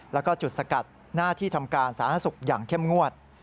แล้วก็จุดสกัดหน้าที่ทำการสาธารณสุขอย่างเข้มงวด